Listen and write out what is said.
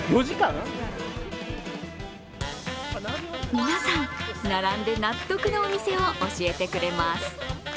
皆さん、並んで納得のお店を教えてくれます。